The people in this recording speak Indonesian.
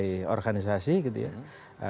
dari organisasi gitu ya